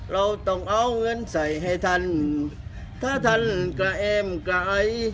เราต้องเอาเงินใส่ให้ทันถ้าท่านกระเอ็มกระไอ